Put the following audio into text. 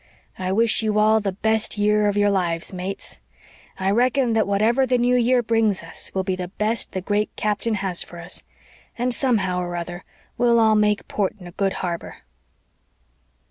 "I wish you all the best year of your lives, mates. I reckon that whatever the New Year brings us will be the best the Great Captain has for us and somehow or other we'll all make port in a good harbor."